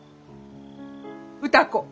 歌子。